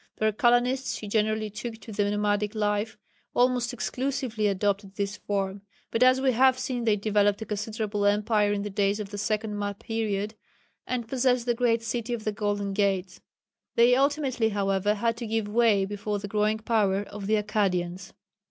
Their colonists, who generally took to the nomadic life, almost exclusively adopted this form, but as we have seen they developed a considerable empire in the days of the second map period, and possessed the great "City of the Golden Gates." They ultimately, however, had to give way before the growing power of the Akkadians.